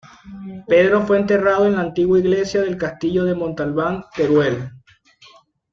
Pedro fue enterrado en la antigua iglesia del castillo de Montalbán, Teruel.